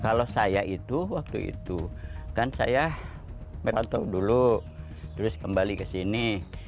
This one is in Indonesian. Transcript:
kalau saya itu waktu itu kan saya berkontrol dulu terus kembali kesini